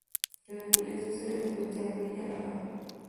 En la actualidad su sede se encuentra en Armilla, Granada.